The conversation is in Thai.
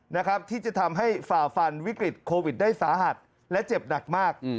นะครับที่จะทำให้ฝ่าฟันวิกฤตโควิดได้สาหัสและเจ็บหนักมาก